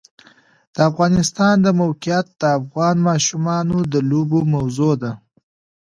د افغانستان د موقعیت د افغان ماشومانو د لوبو موضوع ده.